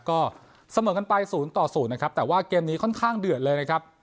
ก็เสมอกันไป๐ต่อ๐นะครับแต่ว่าเกมนี้ค่อนข้างเดือดเลยนะครับ